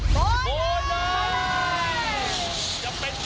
โหลล่อยจะเป็นฝาคันระเบิดแหง